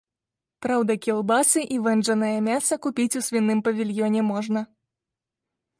Праўда, кілбасы і вэнджанае мяса купіць у свіным павільёне можна.